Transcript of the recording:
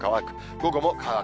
午後も乾く。